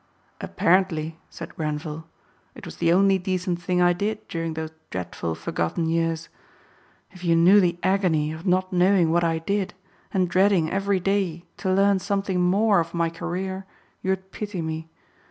"Apparently," said Grenvil, "it was the only decent thing I did during those dreadful forgotten years. If you knew the agony of not knowing what I did and dreading every day to learn something more of my career you'd pity me.